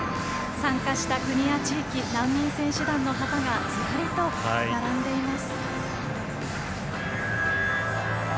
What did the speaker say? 参加した国や地域難民選手団の旗がずらりと並んでいます。